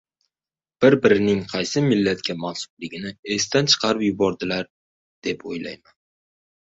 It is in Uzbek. bir-birining qaysi millatga mansubligini esdan chiqarib yuboradilar, deb o‘ylayman.